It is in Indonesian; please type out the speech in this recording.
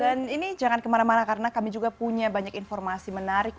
dan ini jangan kemana mana karena kami juga punya banyak informasi menarik